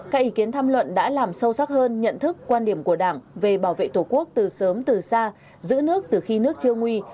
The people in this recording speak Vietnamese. các ý kiến tham luận đã làm sâu sắc hơn nhận thức quan điểm của đảng về bảo vệ tổ quốc từ sớm từ xa giữ nước từ khi nước chưa nguy